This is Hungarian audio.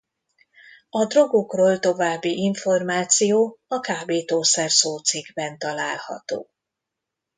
A drogokról további információ a kábítószer szócikkben található.